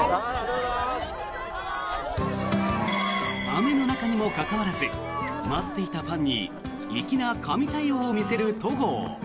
雨の中にもかかわらず待っていたファンに粋な神対応を見せる戸郷。